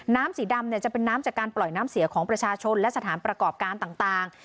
สีดำจะเป็นน้ำจากการปล่อยน้ำเสียของประชาชนและสถานประกอบการต่าง